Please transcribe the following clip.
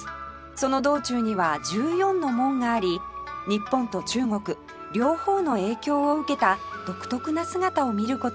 その道中には１４の門があり日本と中国両方の影響を受けた独特な姿を見る事ができます